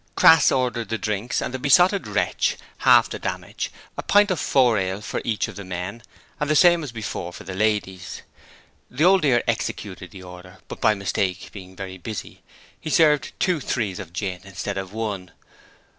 Crass ordered the drinks and the Besotted Wretch paid half the damage a pint of four ale for each of the men and the same as before for the ladies. The Old Dear executed the order, but by mistake, being very busy, he served two 'threes' of gin instead of one.